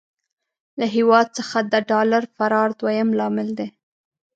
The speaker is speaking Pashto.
له هېواد څخه د ډالر فرار دويم لامل دی.